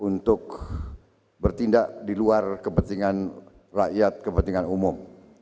untuk bertindak di luar kepentingan rakyat kepentingan umum